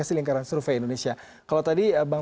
sebenarnya nama saya tujuan